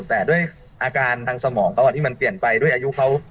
แต่ด้วยอาการทางสมองเขาที่มันเปลี่ยนไปด้วยอายุเขา